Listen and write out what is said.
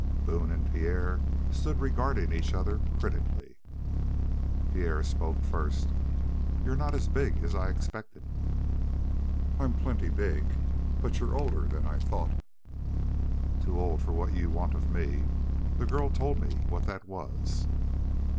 Boone and Pierre stood regarding each other critically. Pierre spoke first: "You're not as big as I expected." "I'm plenty big; but you're older than I thought." "Too old for what you want of me. The girl told me what that was."